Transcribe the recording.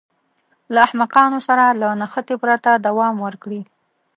له احمقانو سره له نښتې پرته دوام ورکړي.